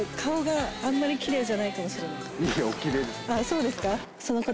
そうですか？